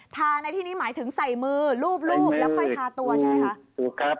ทาที่นี่หมายถึงใส่มือรูปแล้วธาตัวใช่ไหม